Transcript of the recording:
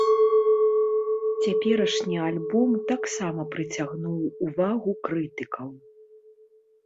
Цяперашні альбом таксама прыцягнуў увагу крытыкаў.